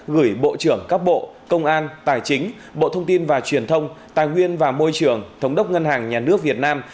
gửi bộ trưởng các bộ công an tài chính bộ thông tin và truyền thông tài nguyên và môi trường thống đốc ngân hàng nhà nước việt nam